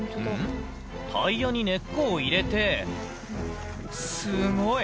タイヤに根っこを入れて、すごい！